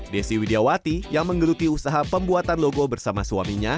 desi widiawati yang menggeluti usaha pembuatan logo bersama suaminya